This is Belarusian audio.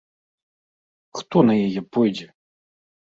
Хто на яе пойдзе?